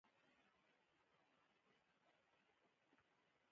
د مجسمو جوړونکي نوم ګیلډر او ملګري دی.